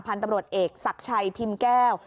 พันธุ์ตำรวจเอกศักดิ์ชัยพิมพ์แก้ว